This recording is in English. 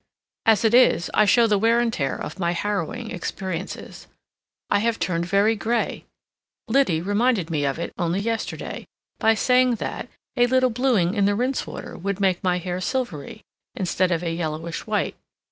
As it is, I show the wear and tear of my harrowing experiences. I have turned very gray—Liddy reminded me of it, only yesterday, by saying that a little bluing in the rinse water would make my hair silvery, instead of a yellowish white.